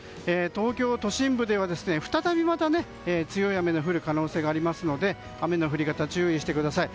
東京都心部では再びまた強い雨が降る可能性がありますので雨の降り方、注意してください。